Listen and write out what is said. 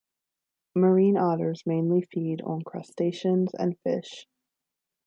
Marine otters mainly feed on crustaceans and fish.